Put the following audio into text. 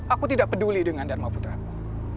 aku tidak peduli dengan dharma putraku